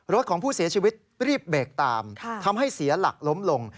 รถของผู้เสียชีวิตรีบเบรกตามทำให้เสียหลักล้มลง